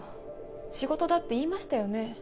仕事だって言いましたよね。